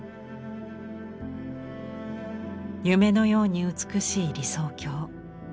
夢のように美しい理想郷。